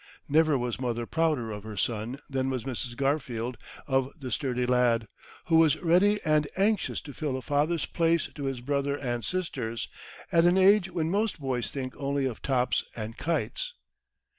Never was mother prouder of her son than was Mrs. Garfield of the sturdy lad, who was ready and anxious to fill a father's place to his brother and sisters, at an age when most boys think only of tops and kites.